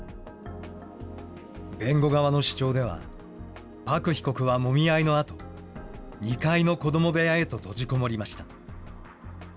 弁護側の主張では、朴被告はもみ合いのあと、２階の子ども部屋へと閉じこもりました。